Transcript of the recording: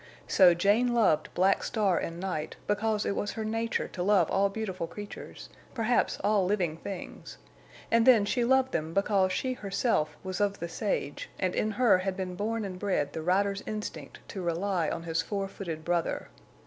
So Jane loved Black Star and Night because it was her nature to love all beautiful creatures—perhaps all living things; and then she loved them because she herself was of the sage and in her had been born and bred the rider's instinct to rely on his four footed brother.